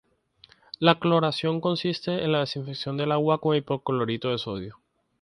La cloración consiste en la desinfección del agua con hipoclorito de sodio.